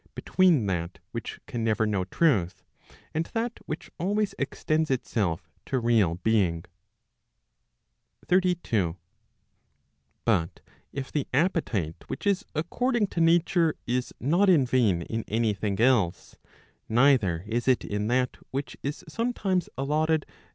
Between that which can never know truth, and that which always extends itself to real being ? 32. But if the appetite which is according to nature is not in vain in auy thing else, neither is it in that which is sometimes allotted the *" Inecferribile in umrenum."